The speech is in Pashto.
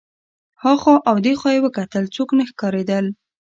هخوا او دېخوا یې وکتل څوک نه ښکارېدل.